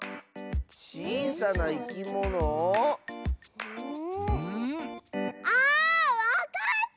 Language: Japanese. ちいさないきもの？あわかった！